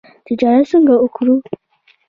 تجارت څنګه وکړو؟